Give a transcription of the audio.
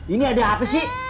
ini ada apa sih